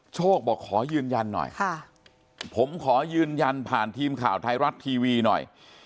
โชคบอกขอยืนยันหน่อยผมขอยืนยันผ่านทีมข่าวไทยรัฐทีวีหน่อย